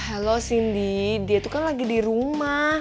halo cindy dia itu kan lagi di rumah